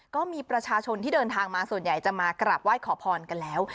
ก็มีประชาชนที่เดินทางมาส่วนใหญ่จะมากราบไหว้ขอพรกันแล้ว